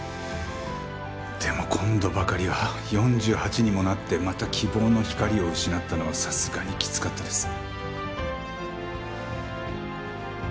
でも今度ばかりは４８にもなってまた希望の光を失ったのはさすがにきつかったです。